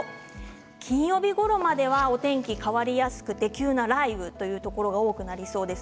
金曜日ごろまではお天気が変わりやすくて急な雷雨のところが多くなりそうです。